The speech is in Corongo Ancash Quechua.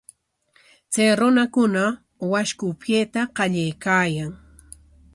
Chay runakuna washku upyayta qallaykaayan.